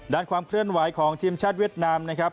ความเคลื่อนไหวของทีมชาติเวียดนามนะครับ